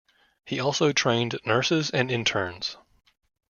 He also trained nurses and interns.